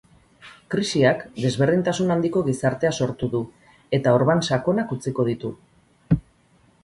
Krisiak desberdintasun handiko gizartea sortu du, eta orban sakonak utziko ditu.